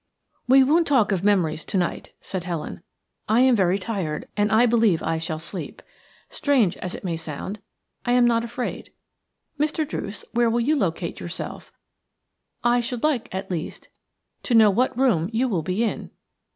"We won't talk of memories to night,"said Helen. "I am very tired, and I believe I shall sleep. Strange as it may sound, I am not afraid. Mr. Druce, where will you locate yourself? I should like, at least, to know what room you will be in."